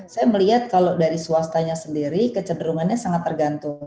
saya melihat kalau dari swastanya sendiri kecenderungannya sangat tergantung